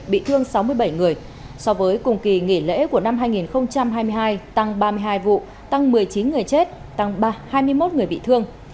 bị thương sáu mươi bảy người so với cùng kỳ nghỉ lễ của năm hai nghìn hai mươi hai tăng ba mươi hai vụ tăng một mươi chín người chết tăng hai mươi một người bị thương